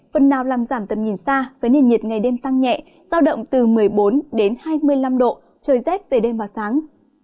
phần nào làm giảm tầm nhìn xa với nền nhiệt ngày đêm tăng nhẹ giao động từ một mươi bốn đến hai mươi năm độ trời rét về đêm và sáng